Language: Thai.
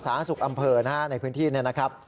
สาธารณสุขอำเภอนะฮะในพื้นที่นี่นะครับ